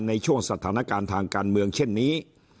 ในช่วงสถานการณ์ทางการเมืองเช่นนี้